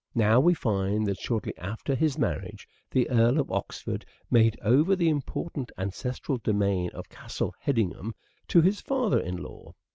Now we find that, shortly after his marriage, the Earl of Oxford made over the important ancestral domain of Castle Hedingham to his father in law.